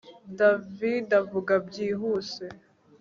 David avuga byihuse